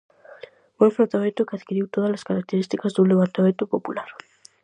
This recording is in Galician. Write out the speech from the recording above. Un enfrontamento que adquiriu tódalas características dun levantamento popular.